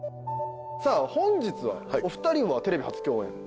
さあ本日はお二人はテレビ初共演。